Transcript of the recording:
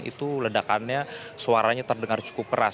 itu ledakannya suaranya terdengar cukup keras